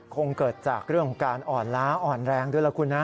คงเกิดจากเรื่องของการอ่อนล้าอ่อนแรงด้วยล่ะคุณนะ